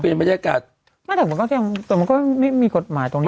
เป็นบรรยากาศไม่แต่มันก็ยังแต่มันก็ไม่มีกฎหมายตรงนี้